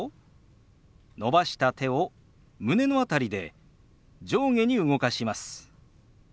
伸ばした手を胸の辺りで上下に動かします。